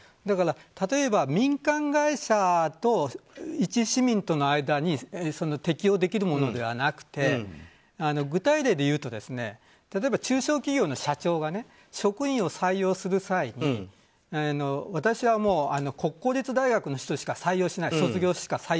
だから、例えば民間会社と一市民との間に適用できるものではなくて具体例で言うと例えば中小企業の社長が職員を採用する際に私は国公立大学を卒業した人しか採用しないと。